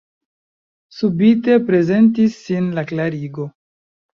Subite prezentis sin la klarigo.